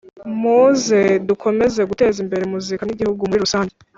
muze dukomeze guteza imbere muzika n’igihugu muri rusange